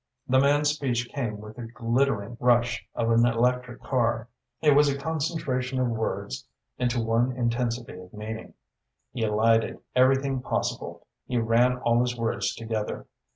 The man's speech came with the gliddering rush of an electric car; it was a concentration of words into one intensity of meaning; he elided everything possible, he ran all his words together.